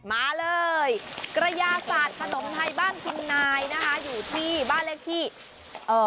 มาเลยกระยาศาสตร์ขนมไทยบ้านคุณนายนะคะอยู่ที่บ้านเลขที่เอ่อ